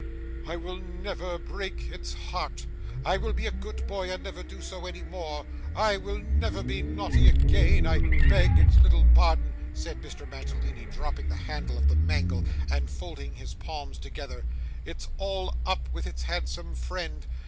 'I will never break its heart, I will be a good boy, and never do so any more; I will never be naughty again; I beg its little pardon,' said Mr. Mantalini, dropping the handle of the mangle, and folding his palms together; 'it is all up with its handsome friend!